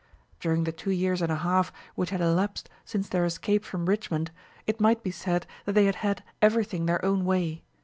During the two years and a half which had elapsed since their escape from Richmond, it might be said that they had had everything their own way.